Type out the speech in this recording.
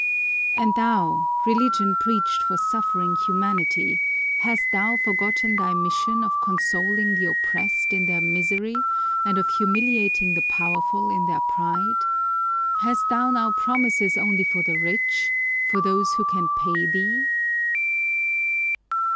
And thou, Religion preached for suffering humanity, hast thou forgotten thy mission of consoling the oppressed in their misery and of humiliating the powerful in their pride? Hast thou now promises only for the rich, for those who, can pay thee?